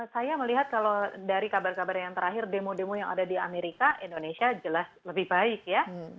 saya melihat kalau dari kabar kabar yang terakhir demo demo yang ada di amerika indonesia jelas lebih baik ya